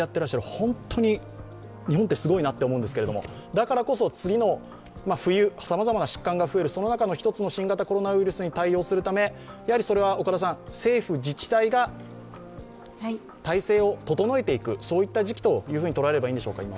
本当に日本はすごいなと思うんですけど、だからこそ次の冬、様々な疾患が増えるその中の１つ、新型コロナウイルスに対応するため政府、自治体が体制を整えていく時期と捉えればいいんでしょうか。